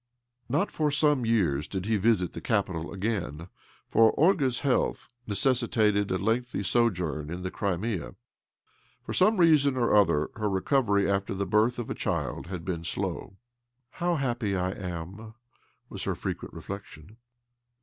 Not for some years did he visit the capital again, for Olga's health necessitated a lengthy sojourn in the Crimea. For some reason or other her recovery after the birth of a child had been slow. " How happy I am I " was her frequent reflection.